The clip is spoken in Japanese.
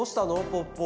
ポッポ。